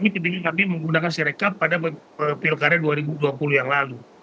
ketika kami menggunakan sirekap pada pilkada dua ribu dua puluh yang lalu